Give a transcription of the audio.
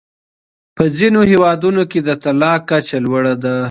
په ځینو هېوادونو کې د طلاق کچه لوړه ده.